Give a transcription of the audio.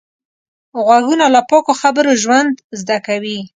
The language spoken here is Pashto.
غوږونه له پاکو خبرو ژوند زده کوي